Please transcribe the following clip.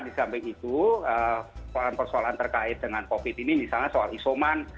di samping itu persoalan persoalan terkait dengan covid ini misalnya soal isoman